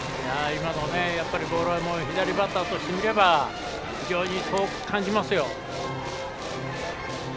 今のボールは左バッターとしてみれば非常に遠く感じますよ。